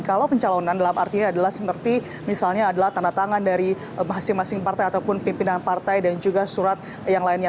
kalau pencalonan dalam artinya adalah seperti misalnya adalah tanda tangan dari masing masing partai ataupun pimpinan partai dan juga surat yang lainnya